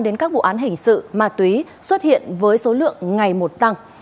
đến các vụ án hình sự ma túy xuất hiện với số lượng ngày một tăng